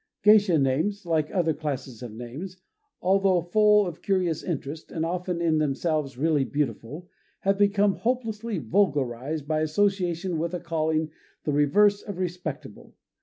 Geisha names, like other classes of names, although full of curious interest, and often in themselves really beautiful, have become hopelessly vulgarized by association with a calling the reverse of respectable.